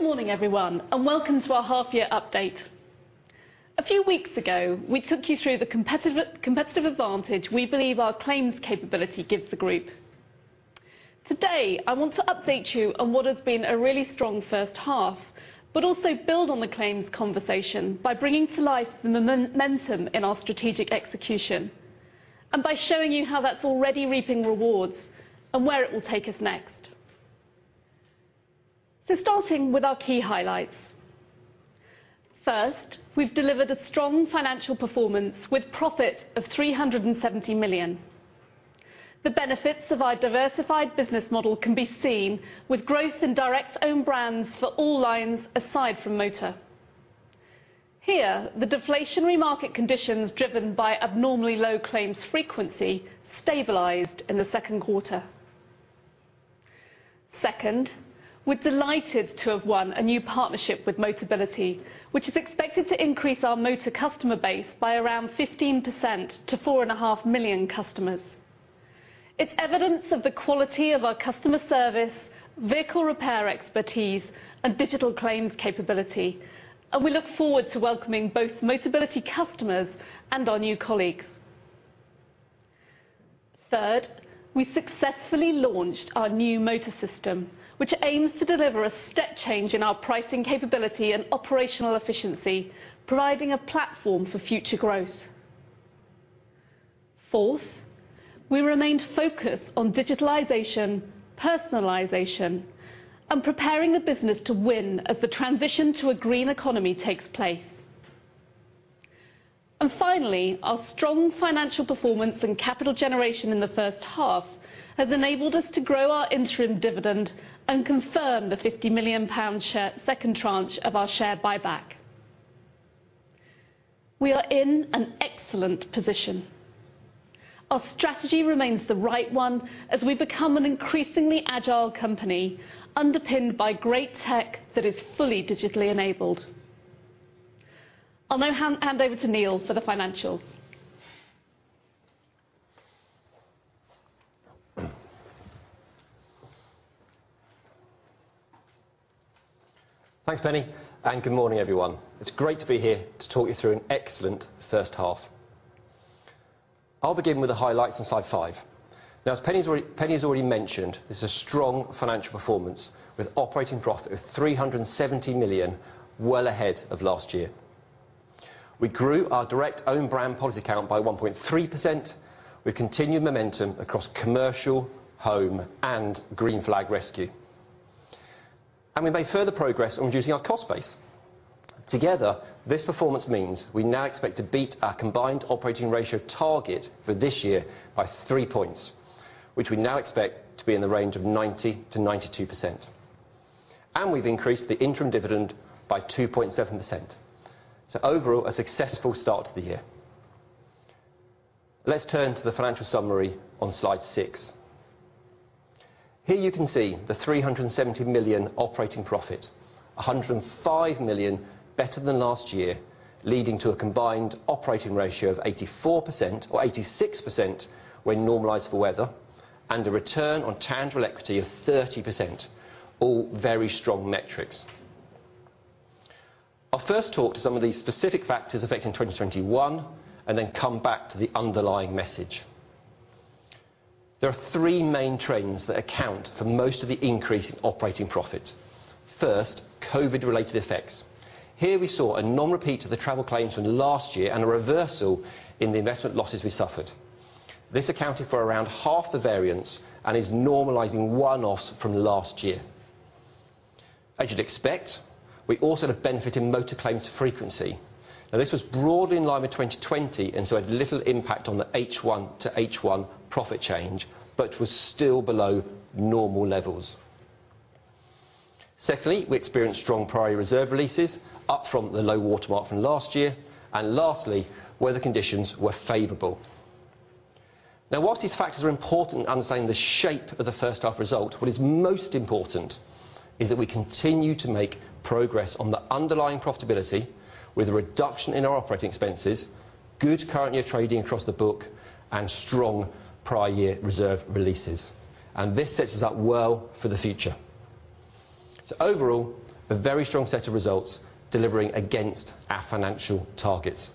Good morning, everyone, and welcome to our half-year update. A few weeks ago, we took you through the competitive advantage we believe our claims capability gives the group. Today, I want to update you on what has been a really strong first half, but also build on the claims conversation by bringing to life the momentum in our strategic execution and by showing you how that's already reaping rewards and where it will take us next. Starting with our key highlights. First, we've delivered a strong financial performance with profit of 370 million. The benefits of our diversified business model can be seen with growth in direct own brands for all lines aside from motor. Here, the deflationary market conditions driven by abnormally low claims frequency stabilized in the second quarter. Second, we're delighted to have won a new partnership with Motability, which is expected to increase our motor customer base by around 15% to four and a half million customers. It's evidence of the quality of our customer service, vehicle repair expertise, and digital claims capability. We look forward to welcoming both Motability customers and our new colleagues. Third, we successfully launched our new motor system, which aims to deliver a step change in our pricing capability and operational efficiency, providing a platform for future growth. Fourth, we remained focused on digitalization, personalization, and preparing the business to win as the transition to a green economy takes place. Finally, our strong financial performance and capital generation in the first half has enabled us to grow our interim dividend and confirm the 50 million pound second tranche of our share buyback. We are in an excellent position. Our strategy remains the right one as we become an increasingly Agile company, underpinned by great tech that is fully digitally enabled. I'll now hand over to Neil for the financials. Thanks, Penny. Good morning, everyone. It's great to be here to talk you through an excellent first half. I'll begin with the highlights on slide five. As Penny has already mentioned, this is a strong financial performance with operating profit of 370 million, well ahead of last year. We grew our direct own brand policy count by 1.3%, with continued momentum across commercial, home, and Green Flag. We made further progress on reducing our cost base. Together, this performance means we now expect to beat our combined operating ratio target for this year by three points, which we now expect to be in the range of 90%-92%. We've increased the interim dividend by 2.7%. Overall, a successful start to the year. Let's turn to the financial summary on slide six. Here you can see the 370 million operating profit, 105 million better than last year, leading to a combined operating ratio of 84%, or 86% when normalized for weather, and a return on tangible equity of 30%, all very strong metrics. I'll first talk to some of the specific factors affecting 2021 and then come back to the underlying message. There are three main trends that account for most of the increase in operating profit. First, COVID initiatives. Here we saw a non-repeat of the travel claims from last year and a reversal in the investment losses we suffered. This accounted for around half the variance and is normalizing one-offs from last year. As you'd expect, we also have benefited motor claims frequency. This was broadly in line with 2020, and so had little impact on the H1 to H1 profit change, but was still below normal levels. Secondly, we experienced strong prior year reserve releases up from the low watermark from last year. Lastly, weather conditions were favorable. Whilst these factors are important in understanding the shape of the first half result, what is most important is that we continue to make progress on the underlying profitability with a reduction in our operating expenses, good current year trading across the book, and strong prior year reserve releases. This sets us up well for the future. Overall, a very strong set of results delivering against our financial targets.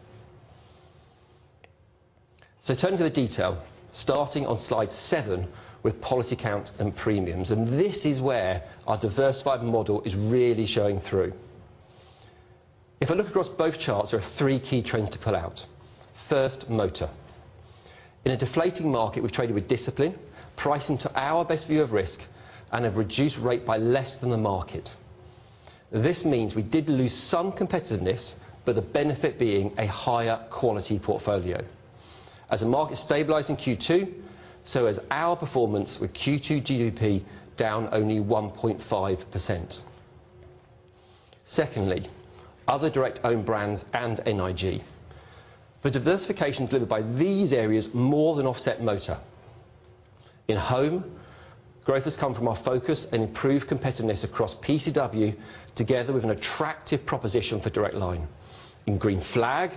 Turning to the detail, starting on slide seven with policy count and premiums, and this is where our diversified model is really showing through. If I look across both charts, there are three key trends to pull out. First, motor. In a deflating market, we've traded with discipline, pricing to our best view of risk, and have reduced rate by less than the market. This means we did lose some competitiveness, but the benefit being a higher quality portfolio. As the market stabilized in Q2, so has our performance, with Q2 GWP down only 1.5%. Secondly, other direct own brands and NIG. The diversification delivered by these areas more than offset motor. In-home, growth has come from our focus and improved competitiveness across PCW, together with an attractive proposition for Direct Line. In Green Flag,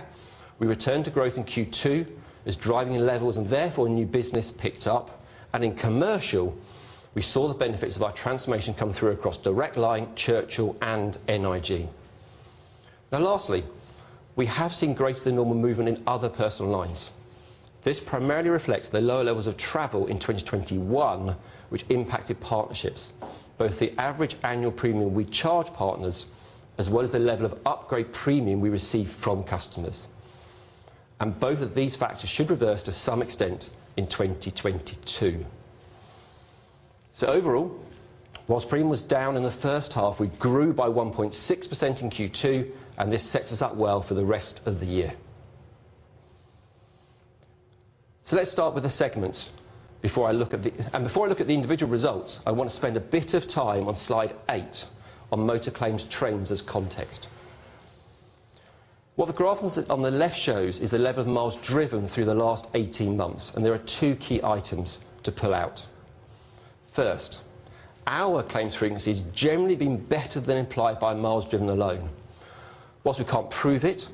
we returned to growth in Q2 as driving levels and therefore new business picked up, and in commercial, we saw the benefits of our transformation come through across Direct Line, Churchill, and NIG. Now, lastly, we have seen greater than normal movement in other personal lines. This primarily reflects the lower levels of travel in 2021, which impacted partnerships. Both the average annual premium we charge partners, as well as the level of upgrade premium we receive from customers. Both of these factors should reverse to some extent in 2022. Overall, whilst premium was down in the first half, we grew by 1.6% in Q2, and this sets us up well for the rest of the year. Let's start with the segments. Before I look at the individual results, I want to spend a bit of time on slide eight on motor claims trends as context. What the graph on the left shows is the level of miles driven through the last 18 months, and there are two key items to pull out. First, our claims frequency has generally been better than implied by miles driven alone. Whilst we can't prove it,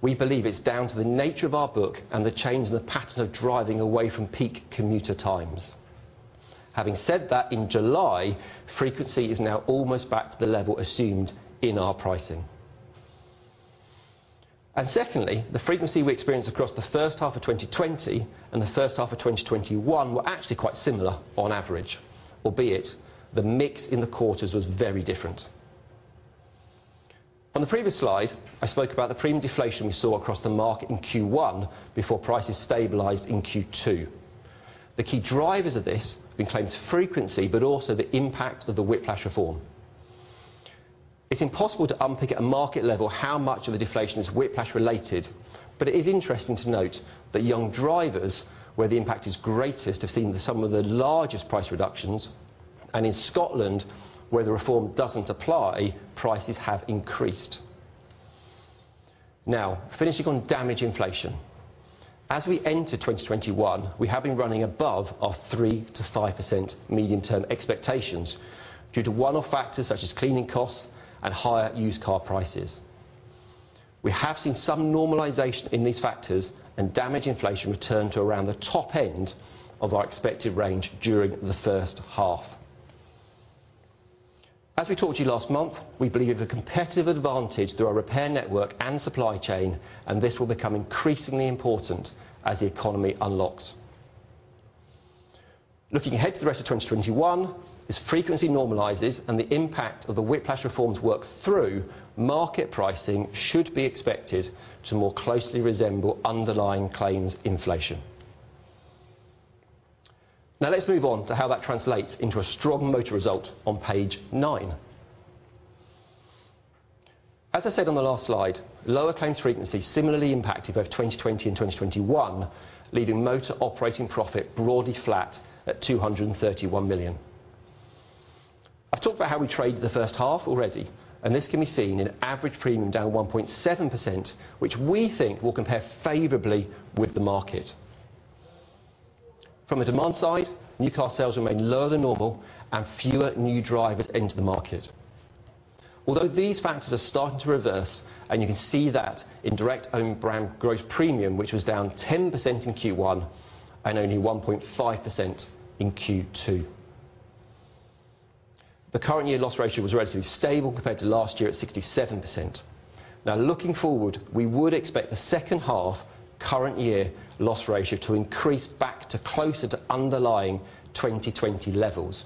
we believe it's down to the nature of our book and the change in the pattern of driving away from peak commuter times. Having said that, in July, frequency is now almost back to the level assumed in our pricing. Secondly, the frequency we experienced across the first half of 2020 and the first half of 2021 were actually quite similar on average, albeit the mix in the quarters was very different. On the previous slide, I spoke about the premium deflation we saw across the market in Q1 before prices stabilized in Q2. The key drivers of this have been claims frequency, but also the impact of the Whiplash Reform. It's impossible to unpick at a market level how much of the deflation is whiplash-related, but it is interesting to note that young drivers, where the impact is greatest, have seen some of the largest price reductions. In Scotland, where the reform doesn't apply, prices have increased. Finishing on damage inflation. As we enter 2021, we have been running above our 3%-5% medium term expectations due to one-off factors such as cleaning costs and higher used car prices. We have seen some normalization in these factors and damage inflation return to around the top end of our expected range during the first half. As we talked to you last month, we believe the competitive advantage through our repair network and supply chain, and this will become increasingly important as the economy unlocks. Looking ahead to the rest of 2021, as frequency normalizes and the impact of the Whiplash Reform works through, market pricing should be expected to more closely resemble underlying claims inflation. Let's move on to how that translates into a strong motor result on page nine. As I said on the last slide, lower claims frequency similarly impacted both 2020 and 2021, leaving motor operating profit broadly flat at 231 million. I've talked about how we traded the first half already, and this can be seen in average premium down 1.7%, which we think will compare favorably with the market. From a demand side, new car sales remain lower than normal, and fewer new drivers enter the market. These factors are starting to reverse, and you can see that in Direct Line own brand growth premium, which was down 10% in Q1 and only 1.5% in Q2. The current year loss ratio was relatively stable compared to last year at 67%. Looking forward, we would expect the second half current year loss ratio to increase back to closer to underlying 2020 levels.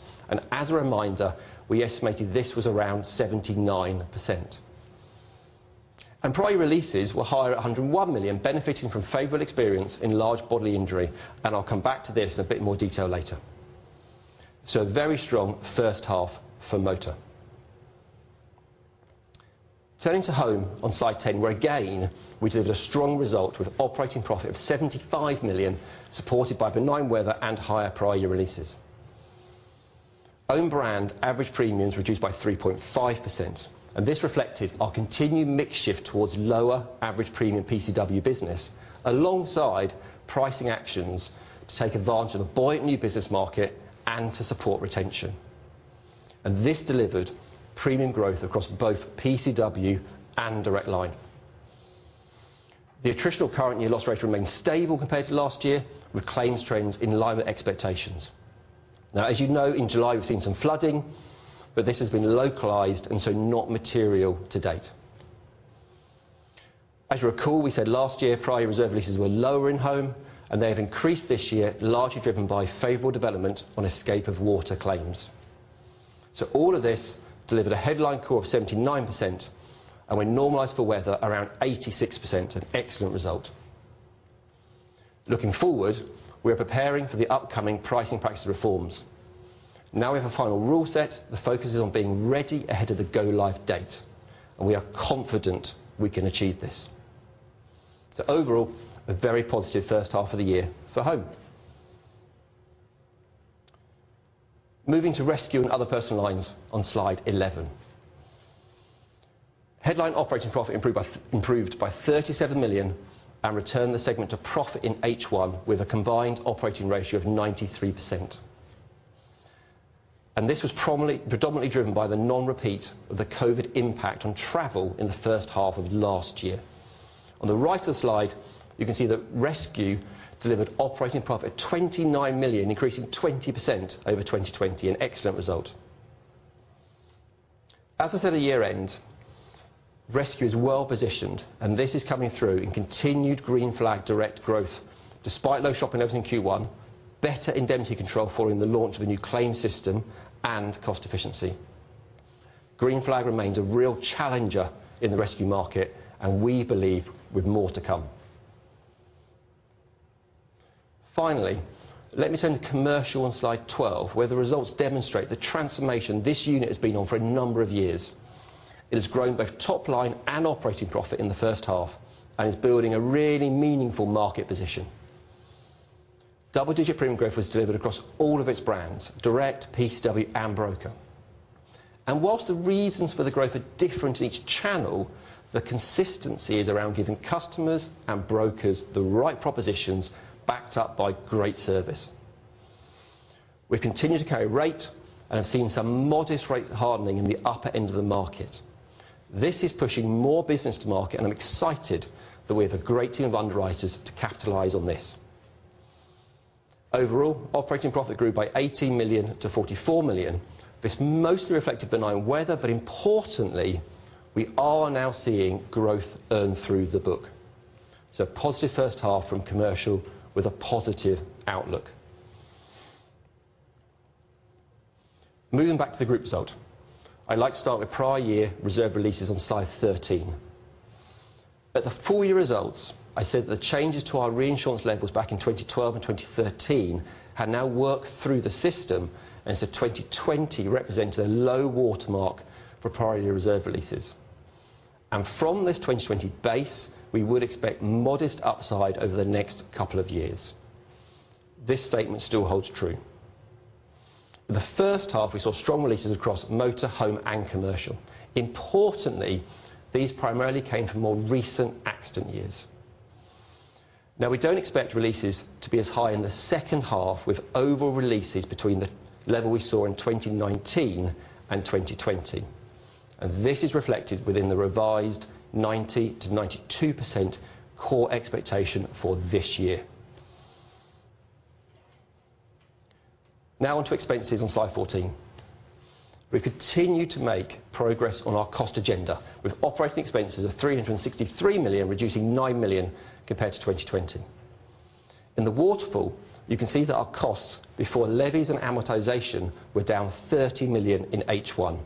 As a reminder, we estimated this was around 79%. Prior year releases were higher at 101 million, benefiting from favorable experience in large bodily injury, and I'll come back to this in a bit more detail later. A very strong first half for motor. Turning to home on slide 10, where again, we delivered a strong result with operating profit of 75 million, supported by benign weather and higher prior year releases. Own brand average premiums reduced by 3.5%, and this reflected our continued mix shift towards lower average premium PCW business, alongside pricing actions to take advantage of the buoyant new business market and to support retention. This delivered premium growth across both PCW and Direct Line. The attritional current year loss ratio remained stable compared to last year with claims trends in line with expectations. As you know, in July we've seen some flooding, this has been localized not material to date. As you'll recall, we said last year prior year reserve releases were lower in home and they have increased this year, largely driven by favorable development on escape of water claims. All of this delivered a headline COR of 79% and when normalized for weather, around 86%, an excellent result. Looking forward, we are preparing for the upcoming pricing practices reforms. We have a final rule set, the focus is on being ready ahead of the go live date. We are confident we can achieve this. Overall, a very positive first half of the year for home. Moving to rescue and other personal lines on slide 11. Headline operating profit improved by 37 million and returned the segment to profit in H1 with a combined operating ratio of 93%. This was predominantly driven by the non-repeat of the COVID impact on travel in the first half of last year. On the right of the slide, you can see that Rescue delivered operating profit of 29 million, increasing 20% over 2020. An excellent result. As I said at year-end, Rescue is well-positioned, and this is coming through in continued Green Flag direct growth despite low shopping levels in Q1, better indemnity control following the launch of a new claims system, and cost efficiency. Green Flag remains a real challenger in the Rescue market, and we believe with more to come. Finally, let me turn to Commercial Direct on slide 12, where the results demonstrate the transformation this unit has been on for a number of years. It has grown both top line and operating profit in the first half and is building a really meaningful market position. Double-digit premium growth was delivered across all of its brands, Direct Line, PCW, and broker. Whilst the reasons for the growth are different in each channel, the consistency is around giving customers and brokers the right propositions backed up by great service. We've continued to carry rate and have seen some modest rate hardening in the upper end of the market. This is pushing more business to market, and I'm excited that we have a great team of underwriters to capitalize on this. Overall, operating profit grew by 18 million to 44 million. This mostly reflected benign weather, but importantly, we are now seeing growth earned through the book. A positive H1 from Commercial with a positive outlook. Moving back to the group result. I'd like to start with prior year reserve releases on slide 13. At the full year results, I said the changes to our reinsurance levels back in 2012 and 2013 had now worked through the system, 2020 represented a low watermark for prior year reserve releases. From this 2020 base, we would expect modest upside over the next couple of years. This statement still holds true. In the H1, we saw strong releases across Motor, Home, and Commercial. These primarily came from more recent accident years. We don't expect releases to be as high in the H2, with overall releases between the levels we saw in 2019 and 2020. This is reflected within the revised 90%-92% core expectation for this year. On to expenses on slide 14. We continue to make progress on our cost agenda with operating expenses of 363 million, reducing 9 million compared to 2020. In the waterfall, you can see that our costs, before levies and amortization, were down 30 million in H1.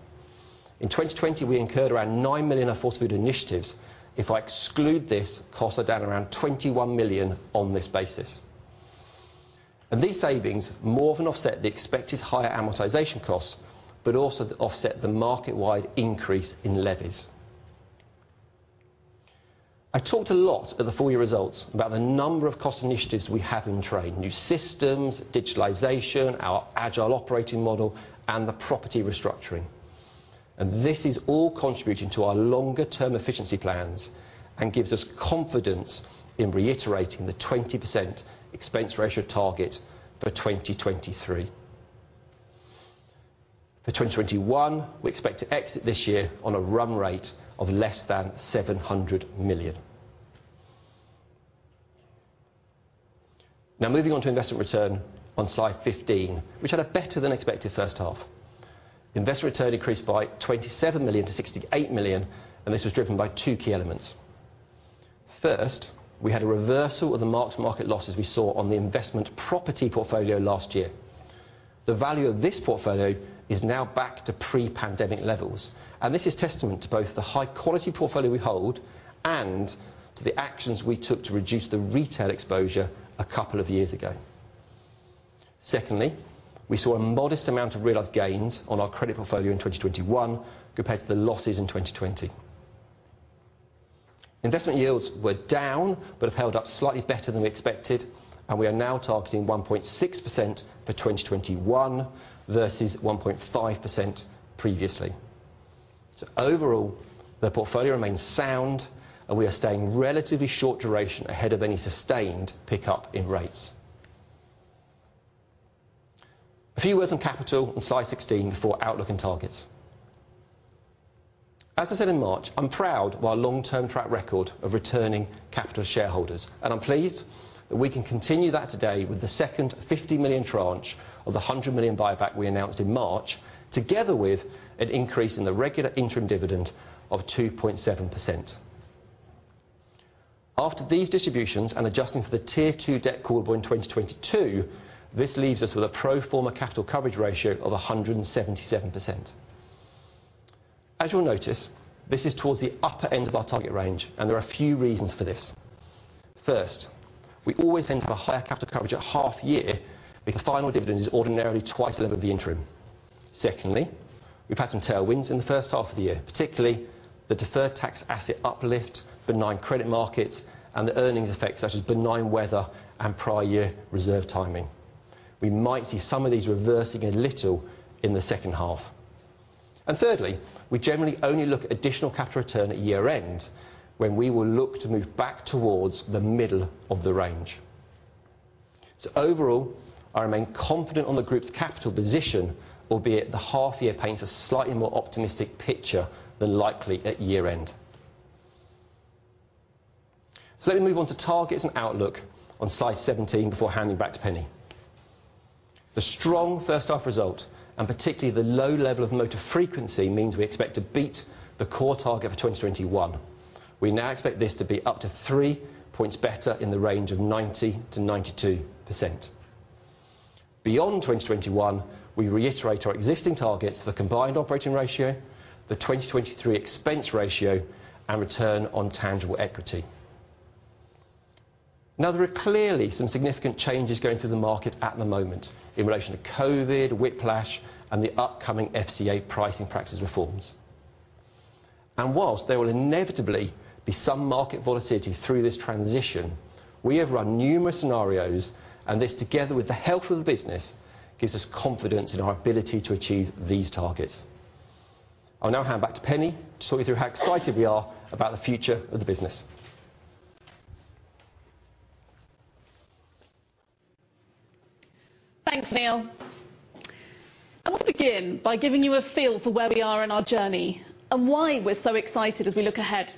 In 2020, we incurred around 9 million in COVID initiatives. If I exclude this, costs are down around 21 million on this basis. These savings more than offset the expected higher amortization costs, but also offset the market-wide increase in levies. I talked a lot at the full-year results about the number of cost initiatives we have in train. New systems, digitalization, our Agile operating model, and the property restructuring. This is all contributing to our longer-term efficiency plans and gives us confidence in reiterating the 20% expense ratio target for 2023. For 2021, we expect to exit this year on a run rate of less than 700 million. Moving on to investment return on slide 15, which had a better-than-expected H1. Investment return increased by 27 million to 68 million, and this was driven by two key elements. First, we had a reversal of the mark-to-market losses we saw on the investment property portfolio last year. The value of this portfolio is now back to pre-pandemic levels, and this is a testament to both the high-quality portfolio we hold and to the actions we took to reduce the retail exposure a couple of years ago. Secondly, we saw a modest amount of realized gains on our credit portfolio in 2021 compared to the losses in 2020. Investment yields were down but have held up slightly better than we expected, and we are now targeting 1.6% for 2021 versus 1.5% previously. Overall, the portfolio remains sound, and we are staying relatively short duration ahead of any sustained pickup in rates. A few words on capital on slide 16 before outlook and targets. As I said in March, I'm proud of our long-term track record of returning capital to shareholders, and I'm pleased that we can continue that today with the second 50 million tranche of the 100 million buyback we announced in March, together with an increase in the regular interim dividend of 2.7%. After these distributions and adjusting for the Tier 2 debt call due in 2022, this leaves us with a pro forma capital coverage ratio of 177%. As you'll notice, this is towards the upper end of our target range, and there are a few reasons for this. First, we always aim to have a higher capital coverage at half year because the final dividend is ordinarily twice the level of the interim. Secondly, we've had some tailwinds in the first half of the year, particularly the deferred tax asset uplift, benign credit markets, and the earnings effects such as benign weather and prior year reserve timing. We might see some of these reversing a little in the second half. Thirdly, we generally only look at additional capital return at year-end, when we will look to move back towards the middle of the range. Overall, I remain confident on the group's capital position, albeit the half-year paints a slightly more optimistic picture than likely at year-end. Let me move on to targets and outlook on slide 17 before handing back to Penny. The strong first half result, and particularly the low level of motor frequency, means we expect to beat the core target for 2021. We now expect this to be up to three points better in the range of 90%-92%. Beyond 2021, we reiterate our existing targets for the combined operating ratio, the 2023 expense ratio, and return on tangible equity. Now there are clearly some significant changes going through the market at the moment in relation to COVID, whiplash, and the upcoming FCA Pricing Practices reforms. Whilst there will inevitably be some market volatility through this transition, we have run numerous scenarios, and this together with the health of the business, gives us confidence in our ability to achieve these targets. I'll now hand back to Penny to talk you through how excited we are about the future of the business. Thanks, Neil. I want to begin by giving you a feel for where we are in our journey and why we're so excited as we look ahead.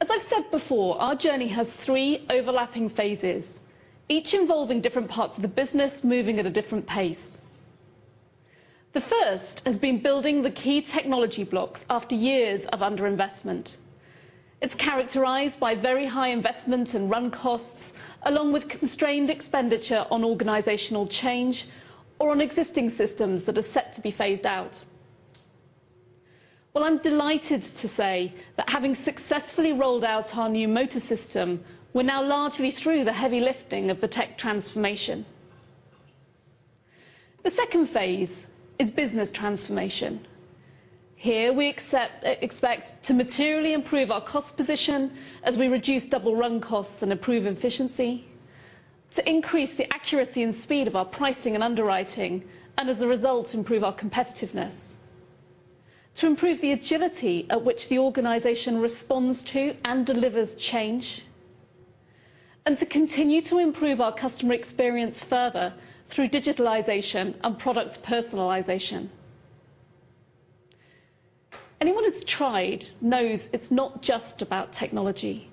As I've said before, our journey has three overlapping phases, each involving different parts of the business moving at a different pace. The first has been building the key technology blocks after years of underinvestment. It's characterized by very high investment and run costs, along with constrained expenditure on organizational change or on existing systems that are set to be phased out. Well, I'm delighted to say that having successfully rolled out our new motor system, we're now largely through the heavy lifting of the tech transformation. The second phase is business transformation. Here, we expect to materially improve our cost position as we reduce double-run costs and improve efficiency. To increase the accuracy and speed of our pricing and underwriting, and as a result, improve our competitiveness. To improve the agility at which the organization responds to and delivers change. To continue to improve our customer experience further through digitalization and product personalization. Anyone who's tried knows it's not just about technology.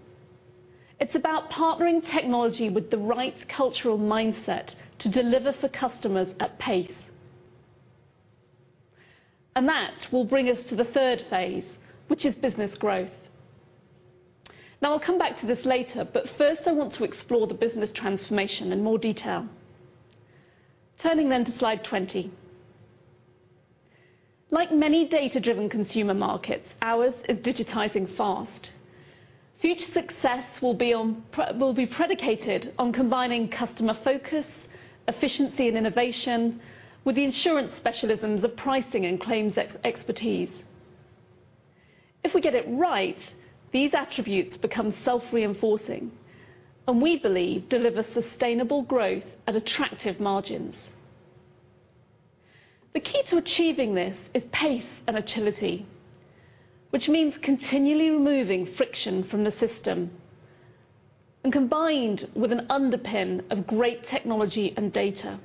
It's about partnering technology with the right cultural mindset to deliver for customers at pace. That will bring us to the third phase, which is business growth. I'll come back to this later, but first I want to explore the business transformation in more detail. Turning to slide 20. Like many data-driven consumer markets, ours is digitizing fast. Future success will be predicated on combining customer focus, efficiency, and innovation with the insurance specialisms of pricing and claims expertise. If we get it right, these attributes become self-reinforcing, and we believe deliver sustainable growth at attractive margins. The key to achieving this is pace and agility, which means continually removing friction from the system, and combined with an underpin of great technology and data.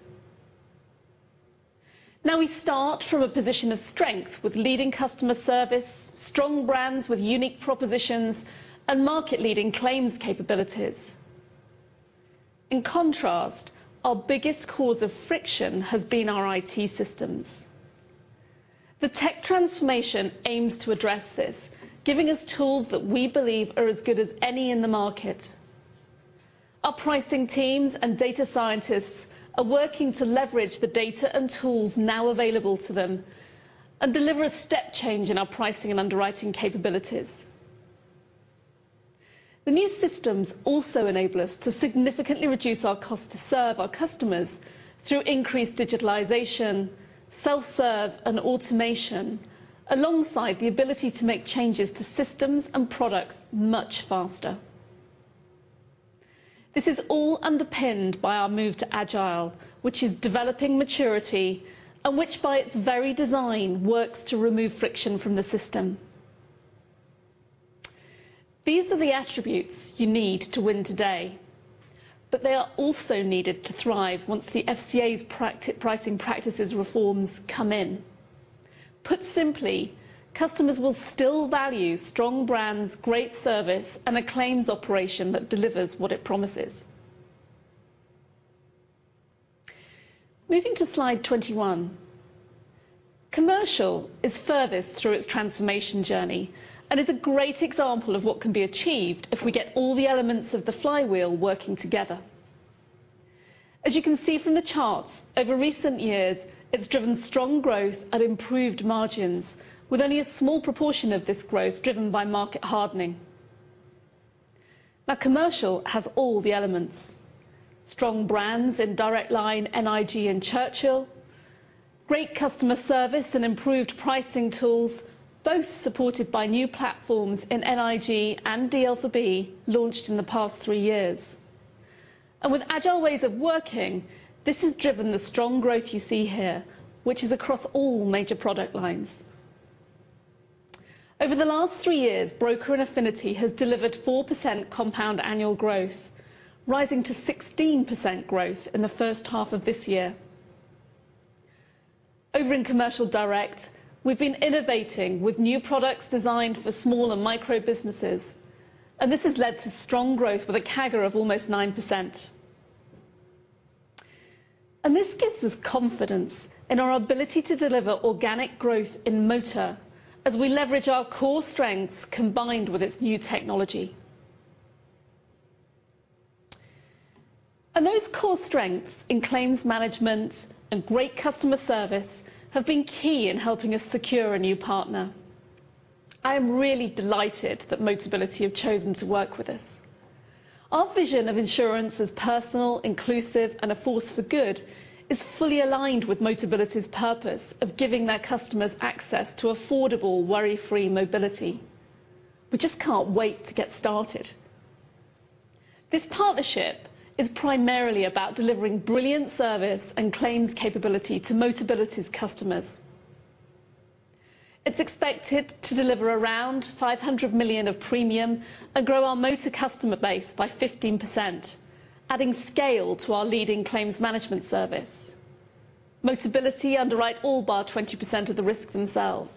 We start from a position of strength with leading customer service, strong brands with unique propositions, and market-leading claims capabilities. In contrast, our biggest cause of friction has been our IT systems. The tech transformation aims to address this, giving us tools that we believe are as good as any in the market. Our pricing teams and data scientists are working to leverage the data and tools now available to them and deliver a step change in our pricing and underwriting capabilities. The new systems also enable us to significantly reduce our cost to serve our customers through increased digitalization, self-serve, and automation, alongside the ability to make changes to systems and products much faster. This is all underpinned by our move to Agile, which is developing maturity and which by its very design works to remove friction from the system. These are the attributes you need to win today, but they are also needed to thrive once the FCA's pricing practices reforms come in. Put simply, customers will still value strong brands, great service, and a claims operation that delivers what it promises. Moving to slide 21. Commercial is furthest through its transformation journey and is a great example of what can be achieved if we get all the elements of the flywheel working together. As you can see from the charts, over recent years, it's driven strong growth and improved margins with only a small proportion of this growth driven by market hardening. Commercial has all the elements. Strong brands in Direct Line, NIG, and Churchill, great customer service, and improved pricing tools, both supported by new platforms in NIG and DLFB launched in the past three years. With Agile ways of working, this has driven the strong growth you see here, which is across all major product lines. Over the last three years, Broker and Affinity has delivered 4% compound annual growth, rising to 16% growth in the first half of this year. Over in Commercial Direct, we've been innovating with new products designed for small and micro businesses. This has led to strong growth with a CAGR of almost 9%. This gives us confidence in our ability to deliver organic growth in motor as we leverage our core strengths combined with its new technology. Those core strengths in claims management and great customer service have been key in helping us secure a new partner. I am really delighted that Motability has chosen to work with us. Our vision of insurance as personal, inclusive, and a force for good is fully aligned with Motability's purpose of giving their customers access to affordable, worry-free mobility. We just can't wait to get started. This partnership is primarily about delivering brilliant service and claims capability to Motability's customers. It's expected to deliver around 500 million of premium and grow our motor customer base by 15%, adding scale to our leading claims management service. Motability underwrite all bar 20% of the risk themselves.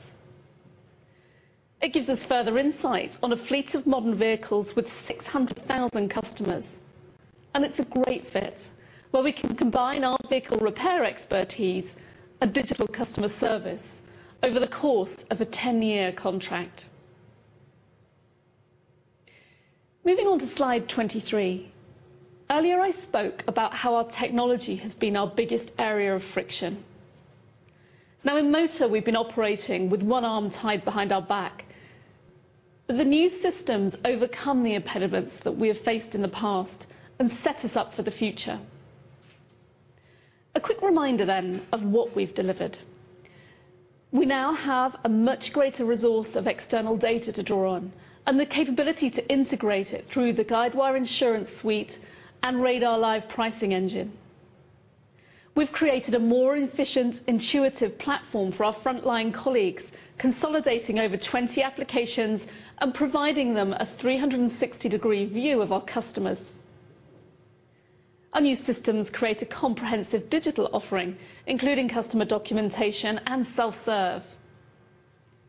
It gives us further insight on a fleet of modern vehicles with 600,000 customers, and it's a great fit where we can combine our vehicle repair expertise and digital customer service over the course of a 10-year contract. Moving on to slide 23. Earlier, I spoke about how our technology has been our biggest area of friction. In motor, we've been operating with one arm tied behind our back. The new systems overcome the impediments that we have faced in the past and set us up for the future. A quick reminder of what we've delivered. We now have a much greater resource of external data to draw on and the capability to integrate it through the Guidewire InsuranceSuite and Radar Live pricing engine. We've created a more efficient, intuitive platform for our frontline colleagues, consolidating over 20 applications and providing them a 360-degree view of our customers. Our new systems create a comprehensive digital offering, including customer documentation and self-serve.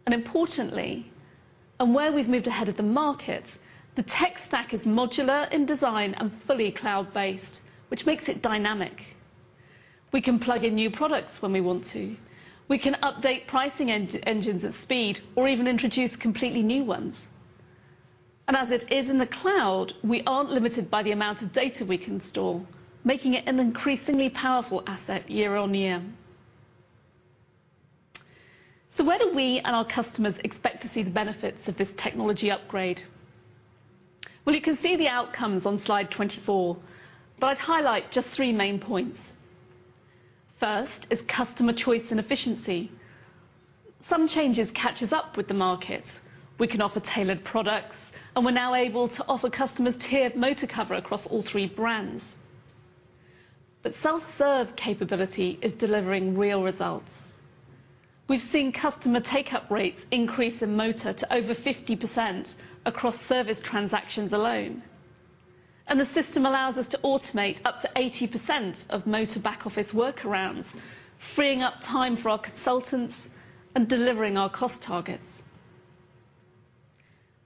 Importantly, and where we've moved ahead of the market, the tech stack is modular in design and fully cloud-based, which makes it dynamic. We can plug in new products when we want to. We can update pricing engines at speed or even introduce completely new ones. As it is in the cloud, we aren't limited by the amount of data we can store, making it an increasingly powerful asset year on year. Where do we and our customers expect to see the benefits of this technology upgrade? Well, you can see the outcomes on slide 24. I'd highlight just three main points. First is customer choice and efficiency. Some changes catch us up with the market. We can offer tailored products. We're now able to offer customers tiered motor cover across all three brands. Self-serve capability is delivering real results. We've seen customer take-up rates increase in motor to over 50% across service transactions alone. The system allows us to automate up to 80% of motor back-office workarounds, freeing up time for our consultants and delivering our cost targets.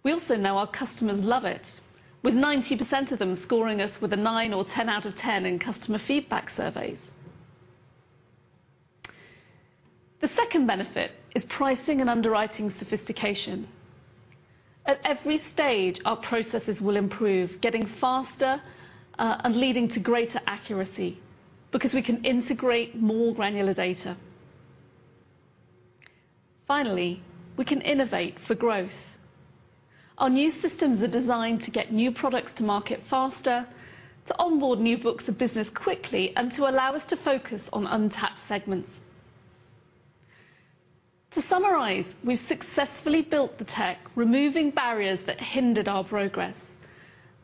We also know our customers love it, with 90% of them scoring us with a 10 out of 10 in customer feedback surveys. The second benefit is pricing and underwriting sophistication. At every stage, our processes will improve, getting faster and leading to greater accuracy because we can integrate more granular data. Finally, we can innovate for growth. Our new systems are designed to get new products to market faster, to onboard new books of business quickly, and to allow us to focus on untapped segments. To summarize, we've successfully built the tech, removing barriers that hindered our progress,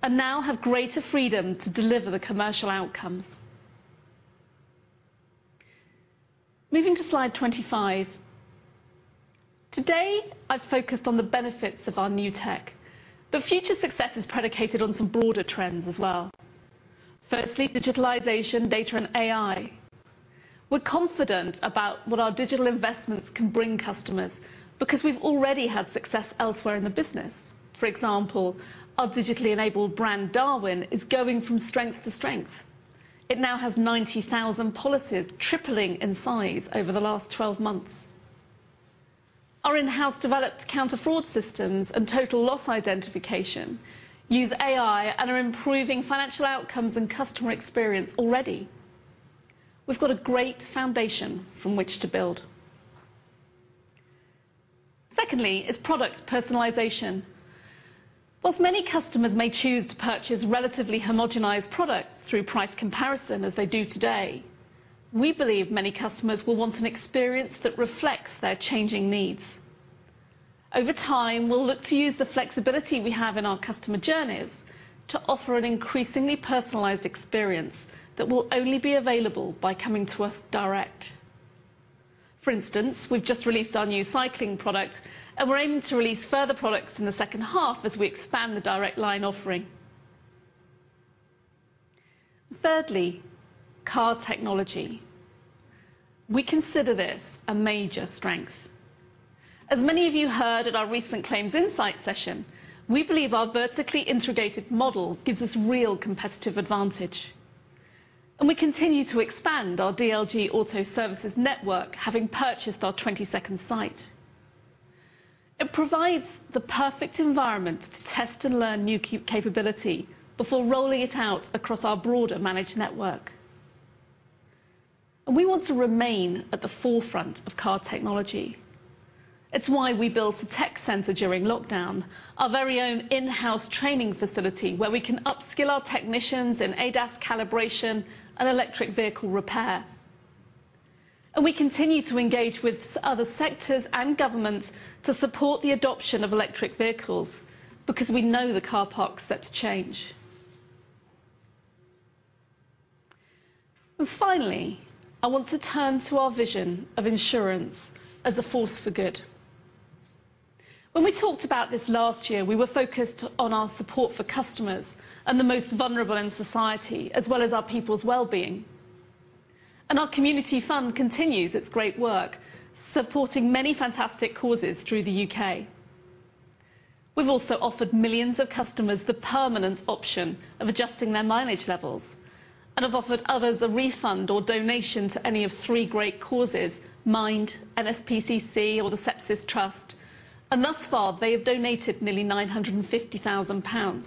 and now have greater freedom to deliver the commercial outcomes. Moving to slide 25. Today, I've focused on the benefits of our new tech, but future success is predicated on some broader trends as well. Firstly, digitalization, data, and AI. We're confident about what our digital investments can bring customers because we've already had success elsewhere in the business. For example, our digitally enabled brand, Darwin, is going from strength to strength. It now has 90,000 policies, tripling in size over the last 12 months. Our in-house developed counter-fraud systems and total loss identification use AI and are improving financial outcomes and customer experience already. We've got a great foundation from which to build. Secondly is product personalization. Whilst many customers may choose to purchase relatively homogenized products through price comparison as they do today, we believe many customers will want an experience that reflects their changing needs. Over time, we'll look to use the flexibility we have in our customer journeys to offer an increasingly personalized experience that will only be available by coming to us direct. For instance, we've just released our new cycling product, and we're aiming to release further products in the second half as we expand the Direct Line offering. Thirdly, car technology. We consider this a major strength. As many of you heard at our recent claims insight session, we believe our vertically integrated model gives us real competitive advantage. We continue to expand our DLG Auto Services network, having purchased our 22nd site. It provides the perfect environment to test and learn new capability before rolling it out across our broader managed network. We want to remain at the forefront of car technology. It's why we built a tech center during lockdown, our very own in-house training facility where we can upskill our technicians in ADAS calibration and electric vehicle repair. We continue to engage with other sectors and governments to support the adoption of electric vehicles because we know the car park's set to change. Finally, I want to turn to our vision of insurance as a force for good. When we talked about this last year, we were focused on our support for customers and the most vulnerable in society, as well as our people's well-being. Our community fund continues its great work, supporting many fantastic causes through the U.K. We've also offered millions of customers the permanent option of adjusting their mileage levels and have offered others a refund or donation to any of three great causes, Mind, NSPCC, or the Sepsis Trust. Thus far, they have donated nearly 950,000 pounds.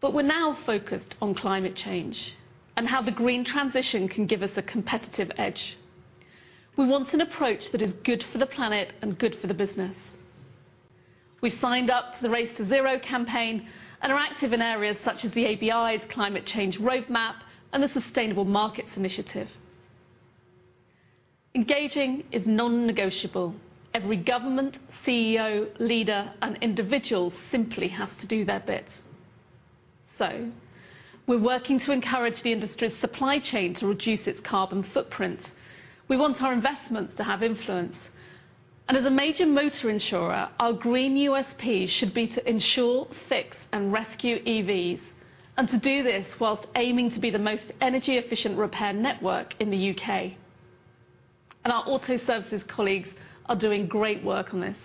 We're now focused on climate change and how the green transition can give us a competitive edge. We want an approach that is good for the planet and good for the business. We signed up to the Race to Zero campaign and are active in areas such as the ABI's Climate Change Roadmap and the Sustainable Markets Initiative. Engaging is non-negotiable. Every government, CEO, leader, and individual simply have to do their bit. We're working to encourage the industry's supply chain to reduce its carbon footprint. We want our investments to have influence. As a major motor insurer, our green USP should be to insure, fix, and rescue EVs, and to do this while aiming to be the most energy-efficient repair network in the U.K. Our Auto Services colleagues are doing great work on this.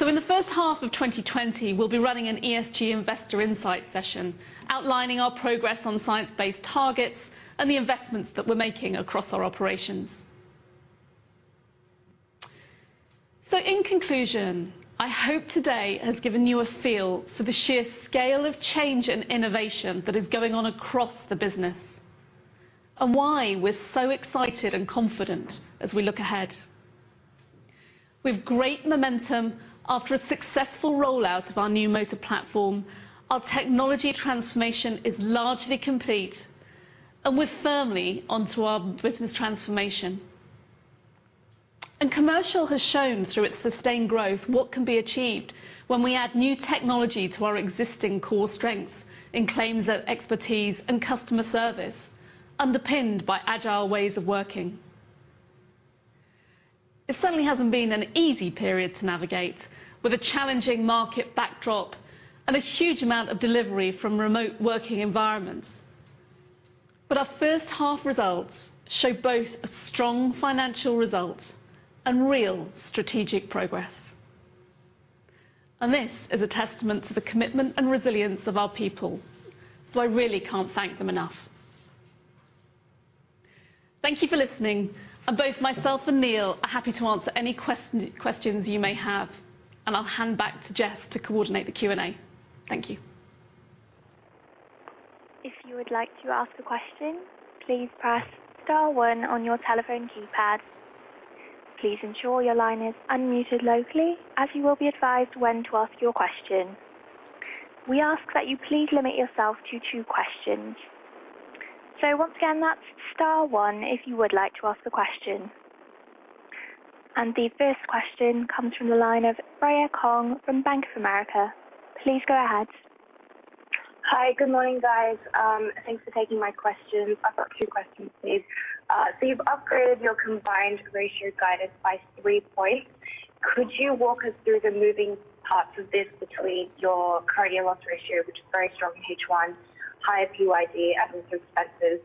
In the first half of 2020, we'll be running an ESG investor insight session outlining our progress on science-based targets and the investments that we're making across our operations. In conclusion, I hope today has given you a feel for the sheer scale of change and innovation that is going on across the business, and why we're so excited and confident as we look ahead. With great momentum after a successful rollout of our new motor platform, our technology transformation is largely complete, and we're firmly onto our business transformation. Commercial has shown, through its sustained growth, what can be achieved when we add new technology to our existing core strengths in claims expertise and customer service, underpinned by Agile ways of working. It certainly hasn't been an easy period to navigate with a challenging market backdrop and a huge amount of delivery from remote working environments. Our first half results show both a strong financial result and real strategic progress. This is a testament to the commitment and resilience of our people, so I really can't thank them enough. Thank you for listening, and both myself and Neil are happy to answer any questions you may have. I'll hand back to Jessie Burrows to coordinate the Q&A. Thank you. If you would like to ask a question, please press star one on your telephone keypad. Please ensure your line is unmuted locally, as you will be advised when to ask your question. We ask that you please limit yourself to two questions. Once again, that's star one if you would like to ask a question. The first question comes from the line of Freya Kong from Bank of America. Please go ahead. Hi. Good morning, guys. Thanks for taking my question. I've got two questions, please. You've upgraded your combined operating ratio guidance by three points. Could you walk us through the moving parts of this, between your current year loss ratio, which is very strong in Q1, higher PYD, admin expenses?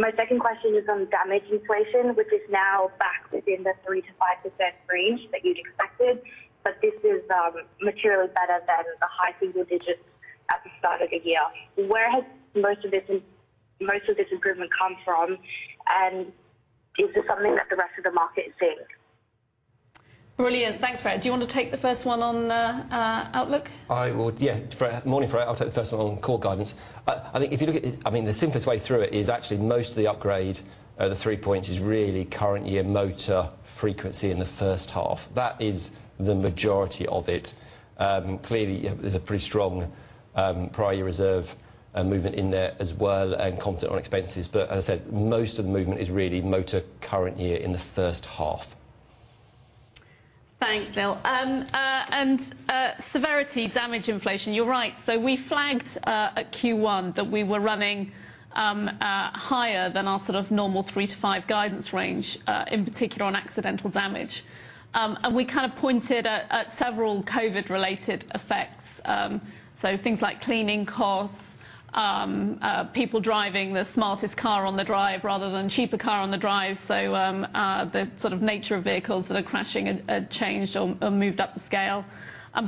My second question is on damage inflation, which is now back within the 3%-5% range that you'd expected, but this is materially better than the high single digits at the start of the year. Where has most of this improvement come from? Is this something that the rest of the market is seeing? Brilliant. Thanks, Freya. Do you want to take the first one on outlook? I would, yeah. Morning, Freya. I'll take the first one on core guidance. The simplest way through it is actually most of the upgrade of the three points is really current year motor frequency in the first half. That is the majority of it. Clearly, there's a pretty strong prior year reserve movement in there as well, and content on expenses. As I said, most of the movement is really motor current year in the first half. Thanks, Neil. Severity damage inflation, you're right. We flagged at Q1 that we were running higher than our sort of normal three-five guidance range, in particular on accidental damage. We kind of pointed at several COVID-related effects. Things like cleaning costs, people driving the smartest car on the drive rather than cheaper car on the drive. The sort of nature of vehicles that are crashing changed or moved up the scale.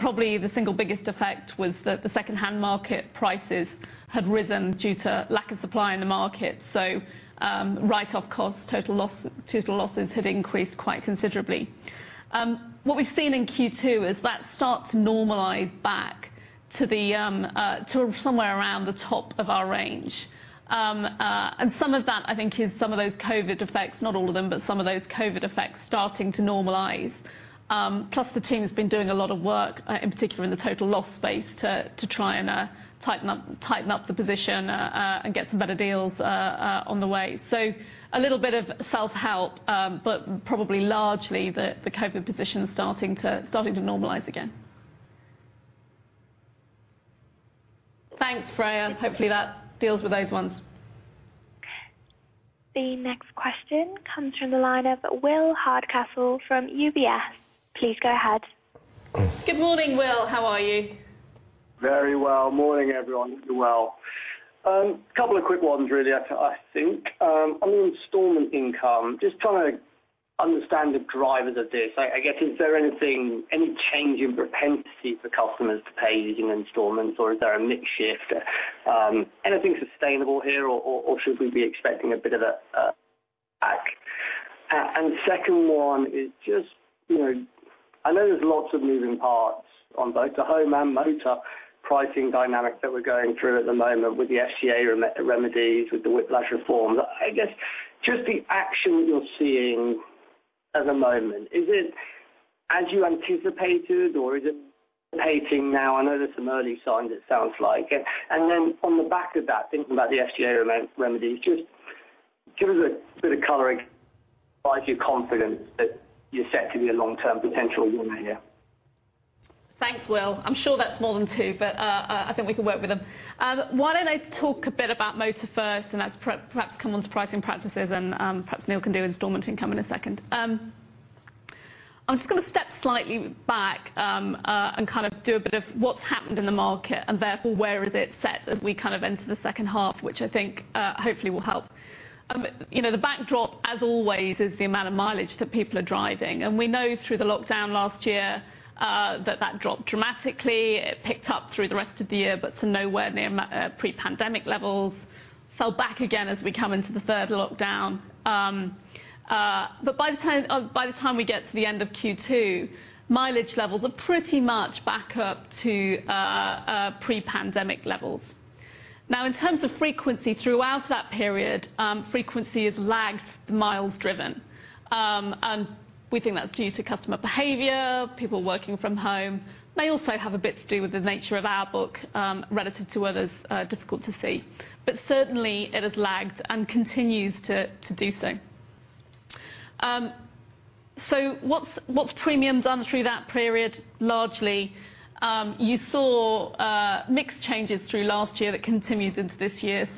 Probably the single biggest effect was that the secondhand market prices had risen due to lack of supply in the market. Write-off costs, total losses had increased quite considerably. What we've seen in Q2 is that starts to normalize back to somewhere around the top of our range. Some of that, I think, is some of those COVID effects, not all of them, but some of those COVID effects starting to normalize. The team has been doing a lot of work, in particular in the total loss space, to try and tighten up the position, and get some better deals on the way. A little bit of self-help, but probably largely the COVID position starting to normalize again. Thanks, Freya. Hopefully, that deals with those ones. The next question comes from the line of Will Hardcastle from UBS. Please go ahead. Good morning, Will. How are you? Very well. Morning, everyone. Well, two quick ones, really, I think. On the installment income, just trying to understand the drivers of this. I guess, is there any chance in propensity for customers to pay using installments, or is there a mix shift? Anything sustainable here, or should we be expecting a bit of a backlash? Second one is just, I know there's lots of moving parts on both the home and motor pricing dynamic that we're going through at the moment with the FCA remedies, with the Whiplash Reform. I guess just the action you're seeing at the moment, is it as you anticipated, or is it pacing now? I know there's some early signs, it sounds like. Then, on the back of that, thinking about the FCA remedies, just give us a bit of coloring. Are you confident that you're set to be a long-term potential winner here? Thanks, Will. I'm sure that's more than two, but I think we can work with them. Why don't I talk a bit about motor first, and perhaps come on to pricing practices, and perhaps Neil can do installment income in a second? I'm just going to step slightly back, and kind of do a bit of what's happened in the market, and therefore where is it set as we kind of enter the second half, which I think hopefully will help. The backdrop, as always, is the amount of mileage that people are driving, and we know through the lockdown last year that that dropped dramatically. It picked up through the rest of the year, but to nowhere near pre-pandemic levels. Fell back again as we come into the third lockdown. By the time we get to the end of Q2, mileage levels are pretty much back up to pre-pandemic levels. In terms of frequency throughout that period, frequency has lagged the miles driven. We think that's due to customer behavior, people working from home. May also have a bit to do with the nature of our book relative to others, difficult to say. Certainly, it has lagged and continues to do so. What's premium done through that period? Largely, you saw mixed changes through last year that continues into this year.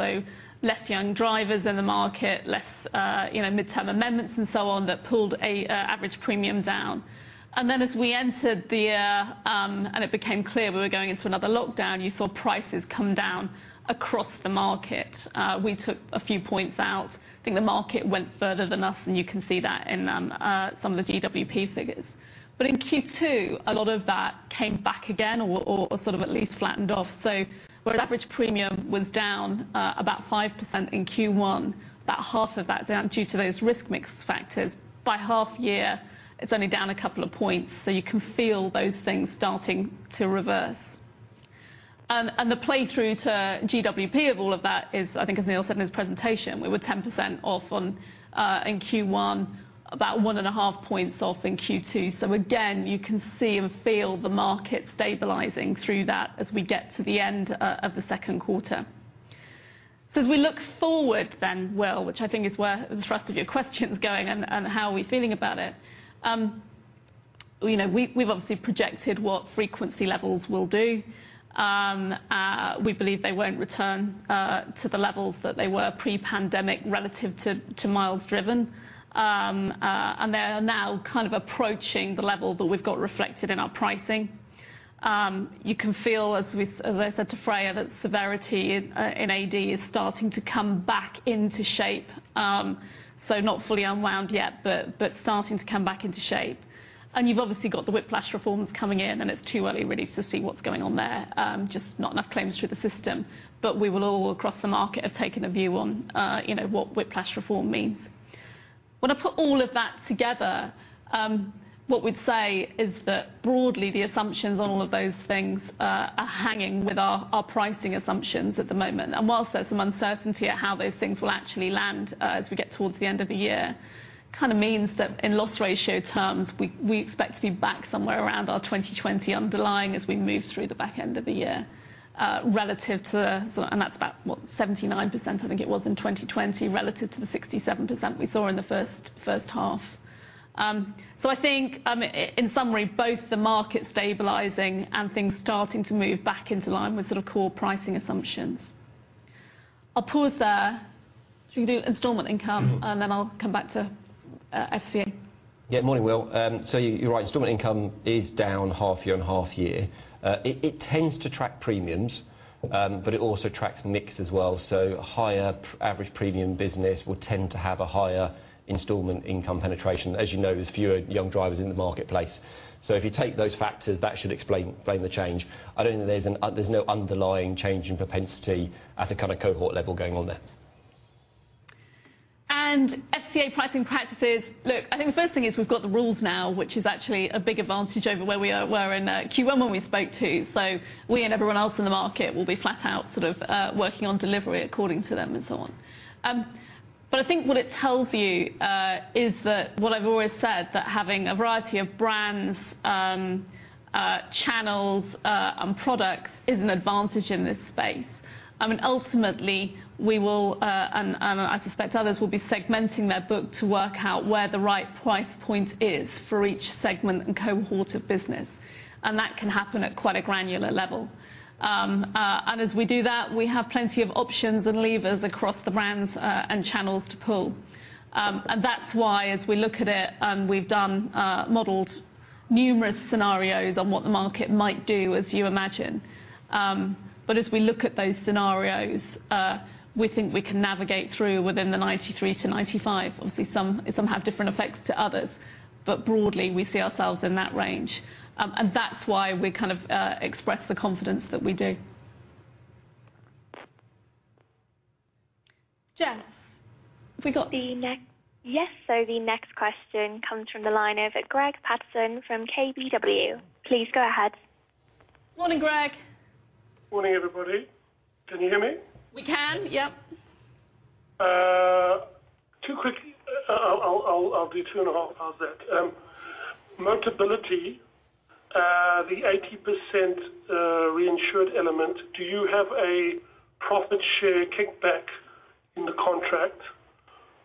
Less young drivers in the market, less midterm amendments and so on that pulled average premium down. As we entered the year, and it became clear we were going into another lockdown, you saw prices come down across the market. We took a few points out. I think the market went further than us, and you can see that in some of the GWP figures. In Q2, a lot of that came back again or sort of at least flattened off. Where average premium was down about 5% in Q1, about half of that down due to those risk mix factors, by half year, it's only down two points. You can feel those things starting to reverse. The play through to GWP of all of that is, I think as Neil said in his presentation, we were 10% off in Q1, about 1.5 points off in Q2. Again, you can see and feel the market stabilizing through that as we get to the end of the second quarter. As we look forward, then, Will, which I think is where the thrust of your question's going, and how are we feeling about it. We've obviously projected what frequency levels will do. We believe they won't return to the levels that they were pre-pandemic, relative to miles driven. They're now kind of approaching the level that we've got reflected in our pricing. You can feel, as I said to Freya, that severity in AD is starting to come back into shape. It's not fully unwound yet, but starting to come back into shape. You've obviously got the Whiplash Reforms coming in, and it's too early really to see what's going on there, just not enough claims through the system. We will all across the market have taken a view on what Whiplash Reform means. When I put all of that together, what we'd say is that broadly, the assumptions on all of those things are hanging with our pricing assumptions at the moment. Whilst there's some uncertainty at how those things will actually land as we get towards the end of the year, kind of means that in loss ratio terms, we expect to be back somewhere around our 2020 underlying as we move through the back end of the year. That's about what, 79%, 79% I think it was in 2020, relative to the 67% we saw in the first half. I think in summary, both the market stabilizing and things starting to move back into line with sort of core pricing assumptions. I'll pause there. You can do installment income, and then I'll come back to FCA. Morning, Will. You're right, installment income is down half-year on half-year. It tends to track premiums, but it also tracks mix as well. Higher average premium business will tend to have a higher installment income penetration. As you know, there's fewer young drivers in the marketplace. If you take those factors, that should explain the change. I don't think there's no underlying change in propensity at a kind of cohort level going on there. FCA pricing practices. Look, I think the first thing is we've got the rules now, which is actually a big advantage over where we were in Q1 when we spoke to. We and everyone else in the market will be flat out sort of working on delivery according to them, and so on. I think what it tells you is that what I've always said, that having a variety of brands, channels, products is an advantage in this space. Ultimately, we will, and I suspect others will, be segmenting their book to work out where the right price point is for each segment and cohort of business. That can happen at quite a granular level. As we do that, we have plenty of options and levers across the brands and channels to pull. That's why, as we look at it, and we've done models, numerous scenarios on what the market might do as you imagine. As we look at those scenarios, we think we can navigate through within the 93%-95%. Obviously, some have different effects to others. Broadly, we see ourselves in that range. That's why we kind of express the confidence that we do. Jessie, have we got- The next question comes from the line of Greig Paterson from KBW. Please go ahead. Morning, Greig. Morning, everybody. Can you hear me? We can. Yep. I'll do two and a half, how's that? Motability, the 80% reinsured element, do you have a profit share kickback in the contract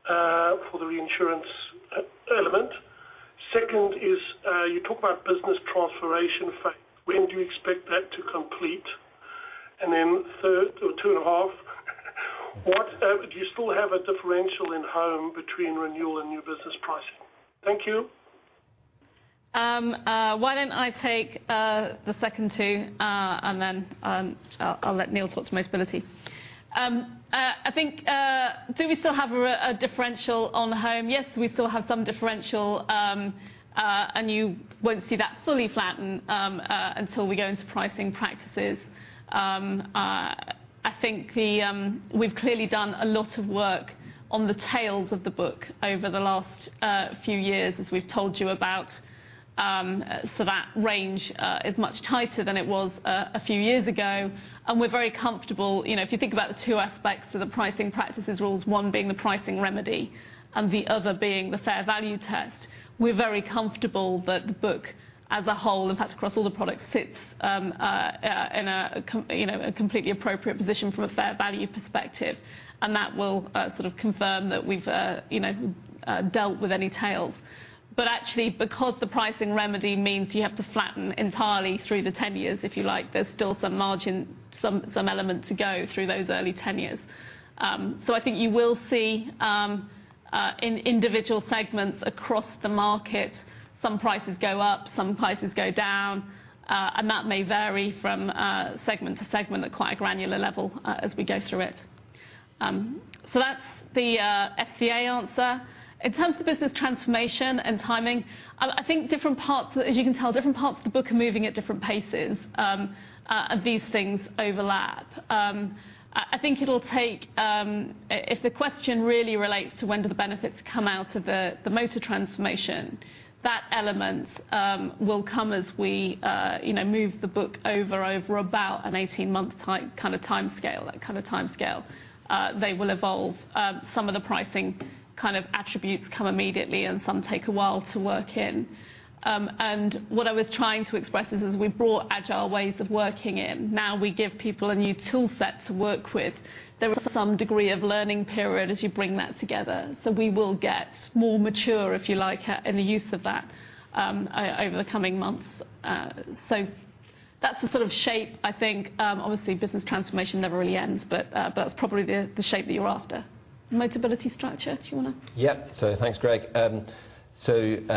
for the reinsurance element? Second is you talk about business transformation. When do you expect that to complete? Third, or two and a half do you still have a differential in home between renewal and new business pricing? Thank you. Why don't I take the second two? Then I'll let Neil talk to Motability. I think, do we still have a differential on home? Yes, we still have some differential. You won't see that fully flatten until we go into Pricing Practices. I think we've clearly done a lot of work on the tails of the book over the last few years, as we've told you about. That range is much tighter than it was a few years ago. We're very comfortable. If you think about the two aspects of the Pricing Practices rules, one being the Pricing Remedy and the other being the Fair Value Test, we're very comfortable that the book as a whole, in fact across all the products, sits in a completely appropriate position from a fair value perspective. That will sort of confirm that we've dealt with any tails. Actually, because the pricing remedy means you have to flatten entirely through the 10 years if you like, there's still some margin, some element to go through those early 10 years. I think you will see in individual segments across the market, some prices go up, some prices go down. That may vary from segment to segment at quite a granular level as we go through it. That's the FCA answer. In terms of business transformation and timing, I think different parts, as you can tell, different parts of the book are moving at different paces. These things overlap. It'll take, if the question really relates to when do the benefits come out of the motor transformation, that element will come as we move the book over about an 18-month kind of timescale. They will evolve. Some of the pricing kind of attributes come immediately, and some take a while to work in. What I was trying to express is, we brought Agile ways of working in. Now we give people a new tool set to work with. There is some degree of learning period as you bring that together. We will get more mature, if you like, in the use of that over the coming months. That's the sort of shape. I think obviously business transformation never really ends, but that's probably the shape that you're after. Motability structure. Do you want to? Yep. Thanks, Greig.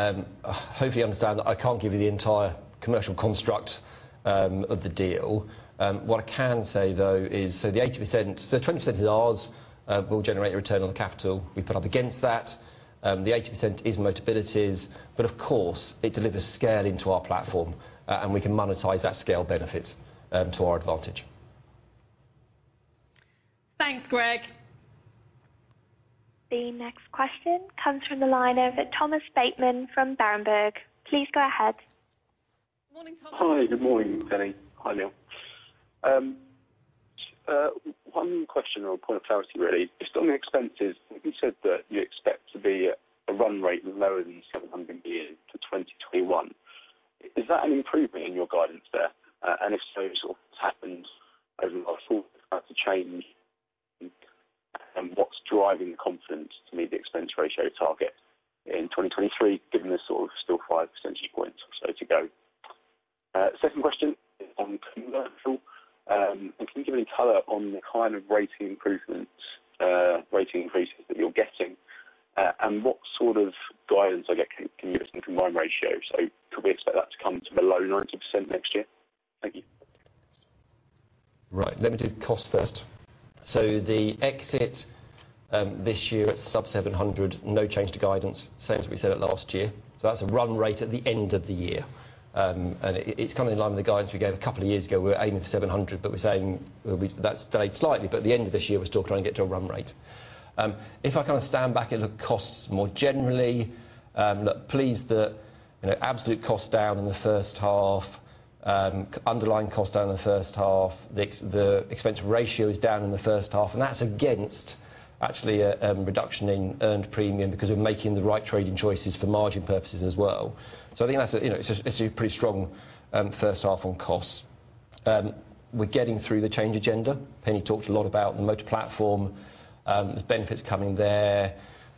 Hopefully you understand that I can't give you the entire commercial construct of the deal. What I can say, though is, so the 20% is ours. We'll generate a return on the capital we put up against that. The 80% is Motability's. Of course, it delivers scale into our platform, and we can monetize that scale benefit to our advantage. Thanks, Greig. The next question comes from the line of Thomas Bateman from Berenberg. Please go ahead. Morning, Thomas. Hi, good morning, Penny. Hi, Neil. One question or point of clarity really. Just on the expenses, you said that you expect to be at a run rate lower than 700 million for 2021. Is that an improvement in your guidance there? If so, sort of what's happened over the last four months to change? What's driving the confidence to meet the expense ratio target in 2023, given there's still 5 percentage points or so to go? Second question is on commercial. Can you give any color on the kind of rating increases that you're getting? What sort of guidance I get can you give us on combined ratio? Could we expect that to come to below 90% next year? Thank you. Right. Let me do cost first. The exit this year at sub 700, no change to guidance, same as we said it last year. That's a run rate at the end of the year. It's kind of in line with the guidance we gave a couple of years ago. We were aiming for 700, but we're saying that's delayed slightly, but at the end of this year, we're still trying to get to a run rate. If I kind of stand back and look at costs more generally, look, pleased that absolute cost down in the first half, underlying cost down in the first half, the expense ratio is down in the first half, and that's against actually a reduction in earned premium because we're making the right trading choices for margin purposes as well. I think that's a pretty strong first half on costs. We're getting through the change agenda. Penny talked a lot about the motor platform. There's benefits coming there.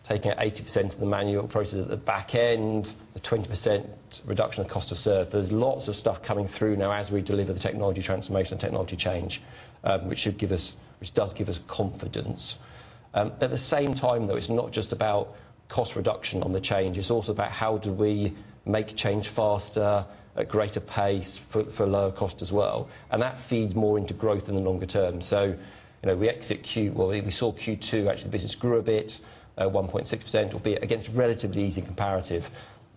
Taking out 80% of the manual processes at the back end, the 20% reduction of cost to serve. There's lots of stuff coming through now as we deliver the technology transformation and technology change, which does give us confidence. At the same time, though, it's not just about cost reduction on the change, it's also about how do we make change faster, at greater pace, for lower cost as well. That feeds more into growth in the longer term. We saw Q2, actually, the business grew a bit, at 1.6%, albeit against relatively easy comparative.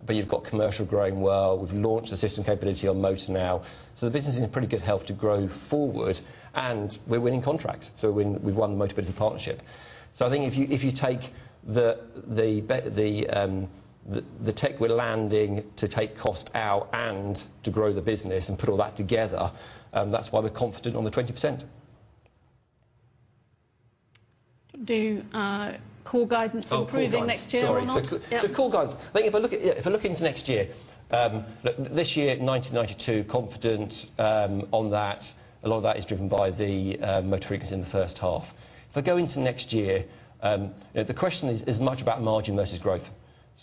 You've got commercial growing well. We've launched the system capability on motor now. The business is in pretty good health to grow forward. We're winning contracts. We've won the motor partnership. I think if you take the tech we're landing to take cost out and to grow the business and put all that together, that's why we're confident on the 20%. Do core guidance improving next year or not? Oh, core guidance. Sorry. Yeah. Core guidance. If I look into next year. Look, this year, at 90%, 92%, confident on that. A lot of that is driven by the motor increase in the first half. If I go into next year, the question is as much about margin versus growth.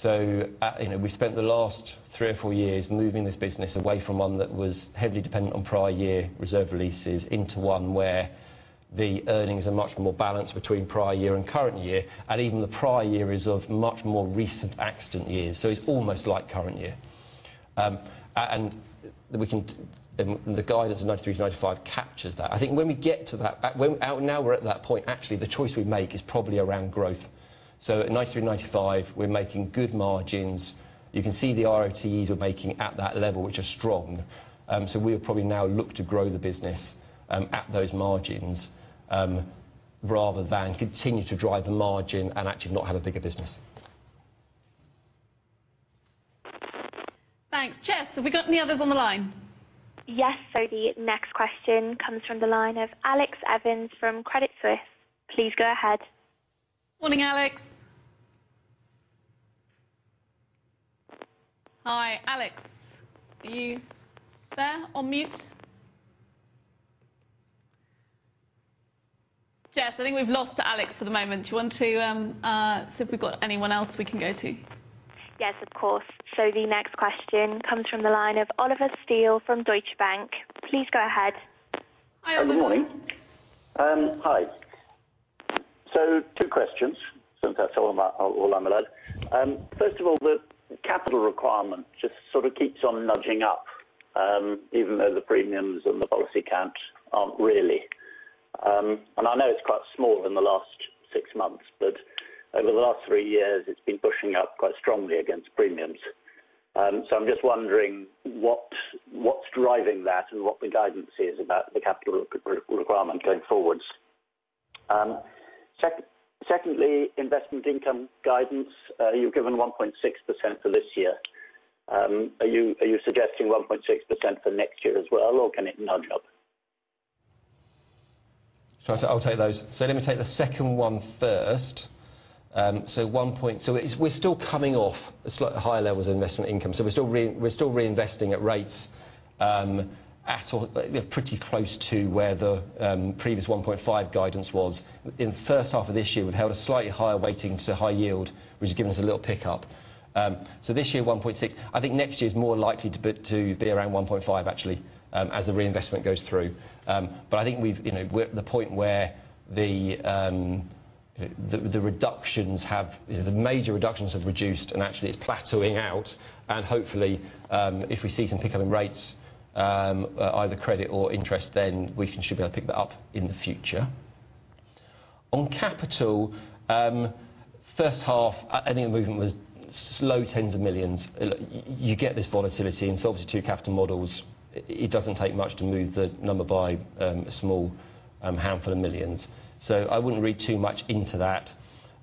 We spent the last three or four years moving this business away from one that was heavily dependent on prior year reserve releases into one where the earnings are much more balanced between prior year and current year, and even the prior year is of much more recent accident years. It's almost like current year. The guidance of 93%-95% captures that. I think now we're at that point, actually, the choice we make is probably around growth. At 93%-95%, we're making good margins. You can see the ROTEs we're making at that level, which are strong. We'll probably now look to grow the business, at those margins, rather than continue to drive the margin and actually not have a bigger business. Thanks. Jessie, have we got any others on the line? Yes. The next question comes from the line of Alex Evans from Credit Suisse. Please go ahead. Morning, Alex. Hi, Alex. Are you there or mute? Jessie, I think we've lost Alex for the moment. Do you want to see if we've got anyone else we can go to? Yes, of course. The next question comes from the line of Ollie Steele from Deutsche Bank. Please go ahead. Hi, Ollie. Good morning. Hi. Two questions, since that's all I'm allowed. First of all, the capital requirement just sort of keeps on nudging up, even though the premiums and the policy count aren't really. I know it's quite small than the last six months, but over the last three years, it's been pushing up quite strongly against premiums. I'm just wondering what's driving that and what the guidance is about the capital requirement going forwards. Secondly, investment income guidance. You've given 1.6% for this year. Are you suggesting 1.6% for next year as well, or can it nudge up? I'll take those. Let me take the second one first. We're still coming off higher levels of investment income. We're still reinvesting at rates pretty close to where the previous 1.5 guidance was. In the first half of this year, we've held a slightly higher weighting to high yield, which has given us a little pickup. This year, 1.6. I think next year is more likely to be around 1.5, actually, as the reinvestment goes through. I think we're at the point where the major reductions have reduced, and actually it's plateauing out. Hopefully, if we see some pickup in rates, either credit or interest, then we should be able to pick that up in the future. On capital, first half, I think the movement was slow tens of millions. You get this volatility in substitute capital models. It doesn't take much to move the number by a small handful of millions. I wouldn't read too much into that.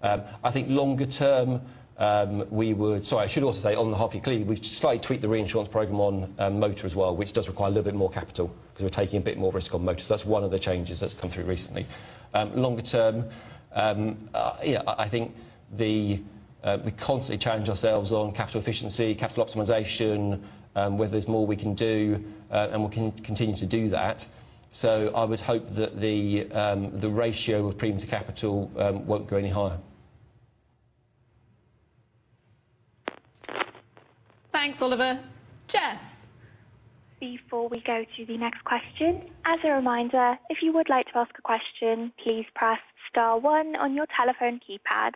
Sorry, I should also say on the H1, clearly we've slightly tweaked the reinsurance program on motor as well, which does require a little bit more capital because we're taking a bit more risk on motor. That's 1 of the changes that's come through recently. Longer term, I think we constantly challenge ourselves on capital efficiency, capital optimization, where there's more we can do, and we can continue to do that. I would hope that the ratio of premium to capital won't go any higher. Thanks, Ollie. Jessie? Before we go to the next question, as a reminder, if you would like to ask a question, please press star one on your telephone keypad.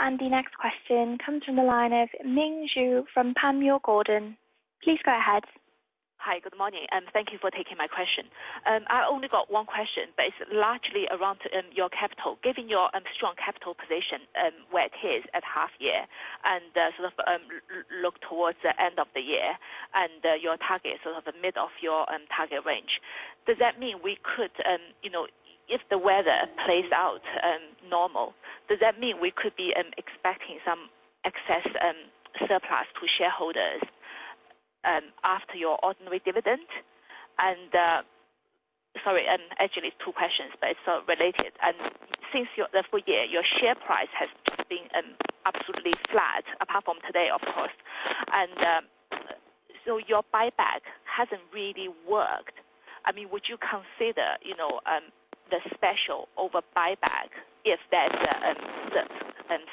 The next question comes from the line of Ming Zhu from Panmure Gordon. Please go ahead. Hi, good morning, thank you for taking my question. I only got one question, but it's largely around your capital. Given your strong capital position, where it is at half year, and look towards the end of the year and your target, the mid of your target range. If the weather plays out normal, does that mean we could be expecting some excess surplus to shareholders after your ordinary dividend? Sorry, actually it's two questions, but it's related. Since the full year, your share price has been absolutely flat, apart from today, of course. Your buyback hasn't really worked. Would you consider the special over buyback if there's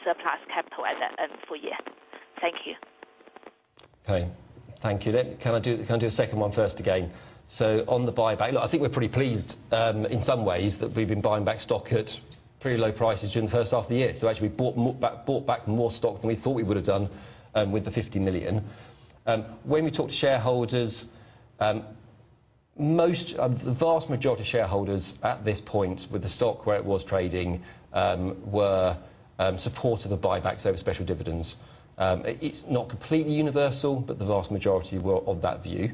surplus capital at the full year? Thank you. Okay. Thank you. Can I do the second one first again? On the buyback, look, I think we're pretty pleased, in some ways, that we've been buying back stock at pretty low prices during the first half of the year. Actually, we bought back more stock than we thought we would've done with the 50 million. When we talk to shareholders, the vast majority of shareholders at this point, with the stock where it was trading, were supportive of buybacks over special dividends. It's not completely universal, but the vast majority were of that view.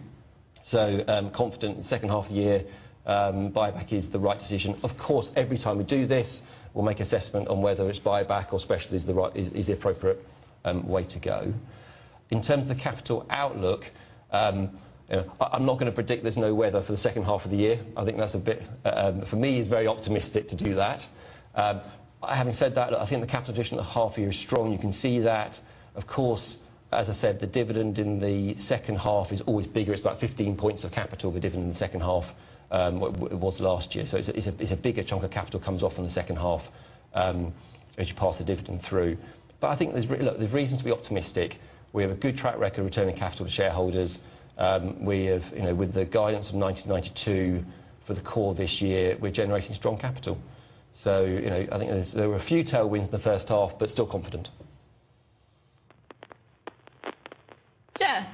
Confident in the second half year, buyback is the right decision. Of course, every time we do this, we'll make assessment on whether it's buyback or special is the appropriate way to go. In terms of the capital outlook, I'm not going to predict there's no weather for the second half of the year. I think that for me, is very optimistic to do that. Having said that, I think the capital position at the half year is strong. You can see that. Of course, as I said, the dividend in the second half is always bigger. It's about 15 points of capital, the dividend in the second half, it was last year. It's a bigger chunk of capital comes off in the second half as you pass the dividend through. I think there's reasons to be optimistic. We have a good track record returning capital to shareholders. With the guidance of 1992 for the core of this year, we're generating strong capital. I think there were a few tailwinds in the first half. Still confident. Jessie.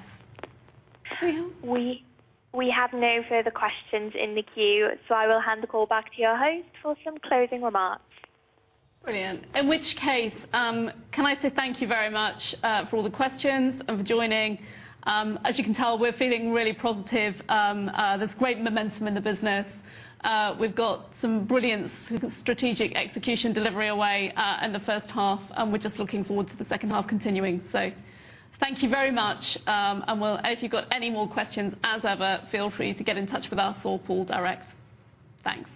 We have no further questions in the queue. I will hand the call back to your host for some closing remarks. Brilliant. In which case, can I say thank you very much for all the questions and for joining? As you can tell, we're feeling really positive. There's great momentum in the business. We've got some brilliant strategic execution delivery away in the first half, and we're just looking forward to the second half continuing. Thank you very much. If you've got any more questions, as ever, feel free to get in touch with us or Paul direct. Thanks.